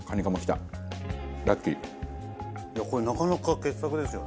これなかなか傑作ですよね。